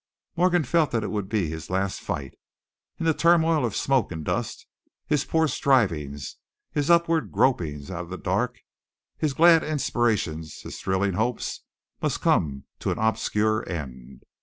Morgan felt that it would be his last fight. In the turmoil of smoke and dust, his poor strivings, his upward gropings out of the dark; his glad inspirations, his thrilling hopes, must come to an obscure end.